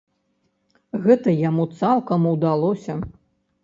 Гэта яму цалкам удалося.